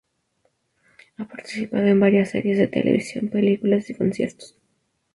Ha participado en varias series de televisión, películas y conciertos.